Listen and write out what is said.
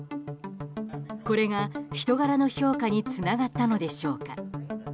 これが人柄の評価につながったのでしょうか。